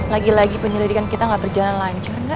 lagi lagi penyelidikan kita gak berjalan lancur gak